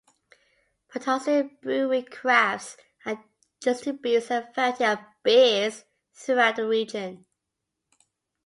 Potosi Brewery crafts and distributes a variety of beers throughout the region.